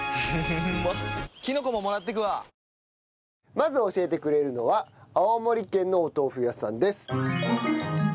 まず教えてくれるのは青森県のお豆腐屋さんです。